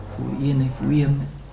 phú yên hay phú yêm